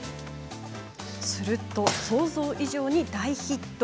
すると、想像以上に大ヒット。